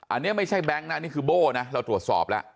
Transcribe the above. อันนี้ไม่ใช่แบงค์นะนี่คือโบ้นะเราตรวจสอบแล้ว